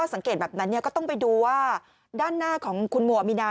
สังเกตแบบนั้นเนี่ยก็ต้องไปดูว่าด้านหน้าของคุณหมวมินา